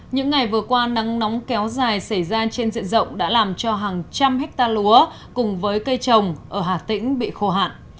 những ngày vừa qua nắng nóng kéo dài xảy ra trên diện rộng đã làm cho hàng trăm hectare lúa cùng với cây trồng ở hà tĩnh bị khô hạn